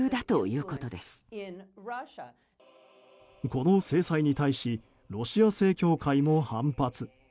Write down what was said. この制裁に対しロシア正教会も反発。